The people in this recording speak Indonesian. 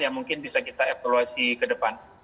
yang mungkin bisa kita evaluasi ke depan